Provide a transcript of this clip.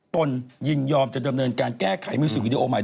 ตนยินยอมจะดำเนินการแก้ไขมิวสิกวิดีโอใหม่